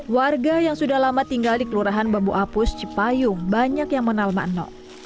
warga yang sudah lama tinggal di kelurahan bambu apus cipayung banyak yang mengenal makno